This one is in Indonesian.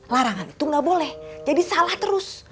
larangan itu nggak boleh jadi salah terus